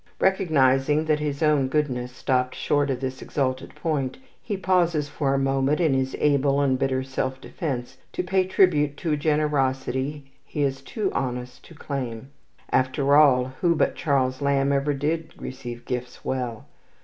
Recognizing that his own goodness stopped short of this exalted point, he pauses for a moment in his able and bitter self defence to pay tribute to a generosity he is too honest to claim. After all, who but Charles Lamb ever did receive gifts well?